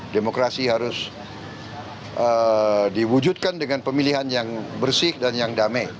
demokrasi harus diwujudkan dengan pemilihan yang bersih dan yang damai